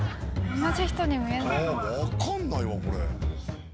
・分かんないわこれ。